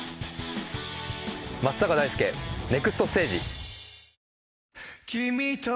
『松坂大輔ネクストステージ』。